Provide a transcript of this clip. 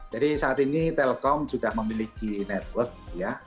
saat ini telkom sudah memiliki network ya